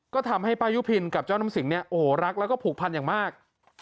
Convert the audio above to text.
ก็ทำให้ป้ายุพินกับเจ้าน้ำสิงเนี่ยโอ้โหรักแล้วก็ผูกพันอย่างมาก